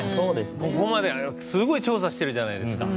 ここまで、すごい調査してるじゃないですか。